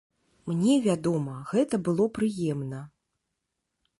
Мне, вядома, гэта было прыемна.